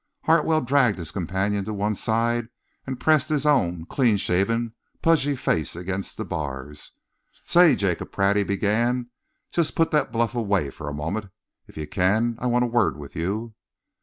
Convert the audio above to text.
Hartwell dragged his companion to one side and pressed his own clean shaven, pudgy face against the bars. "Say, Jacob Pratt," he began, "just put that bluff away for a moment, if you can. I want a word with you."